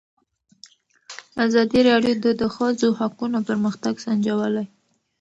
ازادي راډیو د د ښځو حقونه پرمختګ سنجولی.